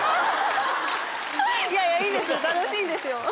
いやいやいいんです楽しいんですよ。